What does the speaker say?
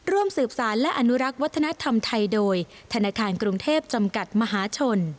ร่วมสืบสารและอนุรักษ์วัฒนธรรมไทยโดยธนาคารกรุงเทพจำกัดมหาชน